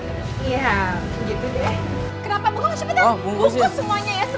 iya begitu deh